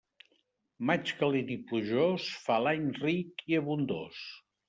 Maig calent i plujós fa l'any ric i abundós.